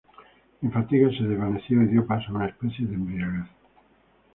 Mi fatiga se desvaneció y dio paso a una especie de embriaguez.